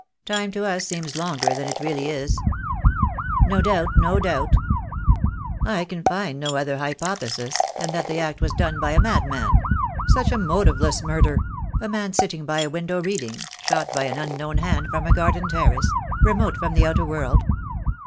Time to us seems longer than it really is." "No doubt, no doubt! I can find no other hypothesis than i. it the act was done by a madman — such a motive less mu. ''er — a man sitting by a window reading — shot by an uni.iown hand from a garden terrace — remote from the outer world.